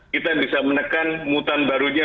kita bisa menekan mutan barunya